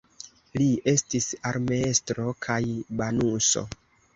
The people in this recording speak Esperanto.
Li estis armeestro kaj banuso.